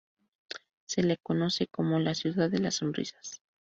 Se la conoce como "La Ciudad de las Sonrisas".